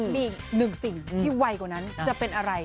มีอีกหนึ่งสิ่งที่ไวกว่านั้นจะเป็นอะไร